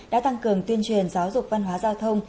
đã tăng cường tuyên truyền giáo dục văn hóa giao thông